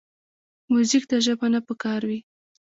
موزیک ته ژبه نه پکار وي.